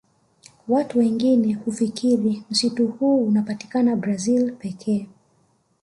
Watu wengine hufikiri msitu huu unapatikana Brazil pekee